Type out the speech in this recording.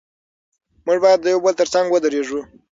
موږ باید د یو بل تر څنګ ودرېږو.